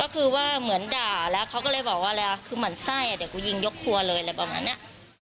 คือหมั่นไส้อ่ะเดี๋ยวกูยิงยกครัวเลยอะไรแบบนั้นอ่ะ